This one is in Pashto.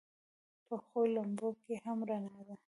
پخو لمبو کې هم رڼا وي